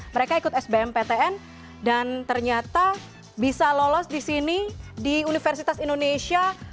mereka ikut sbm ptn dan ternyata bisa lolos di sini di universitas indonesia